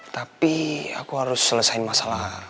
tapi aku harus selesaiin masalah